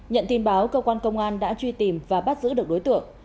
nhận tin báo cơ quan công an đã truy tìm và bắt giữ được đối tượng